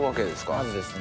まずですね